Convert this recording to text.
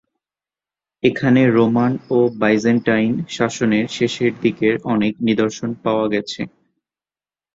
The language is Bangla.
এখানে রোমান ও বাইজেন্টাইন শাসনের শেষের দিকের অনেক নিদর্শন পাওয়া গেছে।